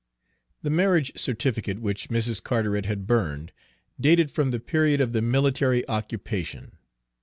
The marriage certificate which Mrs. Carteret had burned dated from the period of the military occupation.